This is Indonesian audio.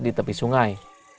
di tepi sungai